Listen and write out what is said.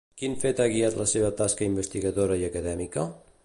Quin fet ha guiat la seva tasca investigadora i acadèmica?